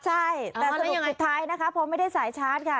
ใช่แต่สรุปสุดท้ายนะคะพอไม่ได้สายชาร์จค่ะ